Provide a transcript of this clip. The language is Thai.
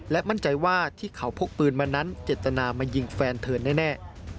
และมั่นใจว่าที่เขาพกปืนมานั้นเจตนามายิงแฟนเธอแน่